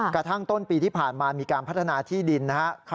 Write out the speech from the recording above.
กระทั่งต้นปีที่ผ่านมามีการพัฒนาที่ดินนะครับ